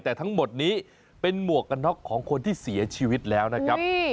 แต่ทั้งหมดนี้เป็นหมวกกันน็อกของคนที่เสียชีวิตแล้วนะครับ